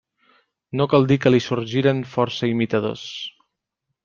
No cal dir que li sorgiren força imitadors.